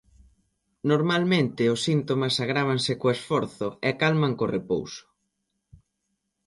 Normalmente os síntomas agrávanse co esforzo e calman co repouso.